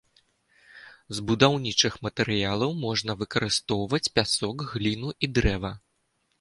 З будаўнічых матэрыялаў можна выкарыстоўваць пясок, гліну і дрэва.